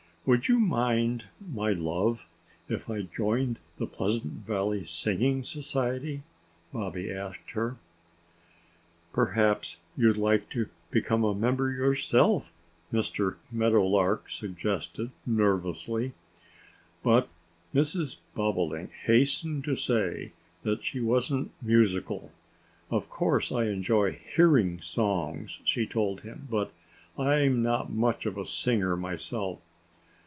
"Would you mind, my love, if I joined the Pleasant Valley Singing Society?" Bobby asked her. "Perhaps you'd like to become a member yourself," Mr. Meadowlark suggested nervously. But Mrs. Bobolink hastened to say that she wasn't musical. "Of course I enjoy hearing songs," she told him; "but I'm not much of a singer myself."